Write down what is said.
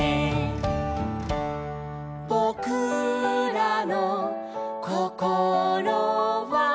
「ボクらのこころは」